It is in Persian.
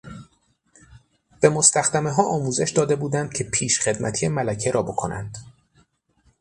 به مستخدمهها آموزش داده بودند که پیشخدمتی ملکه را بکنند.